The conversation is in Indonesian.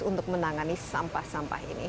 untuk menangani sampah sampah ini